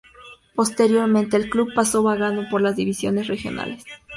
Posteriormente el club pasó vagando en las divisiones regionales.